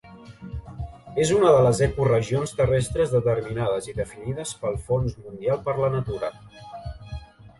És una de les ecoregions terrestres determinades i definides pel Fons Mundial per la Natura.